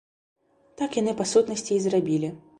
Так яны па сутнасці і зрабілі.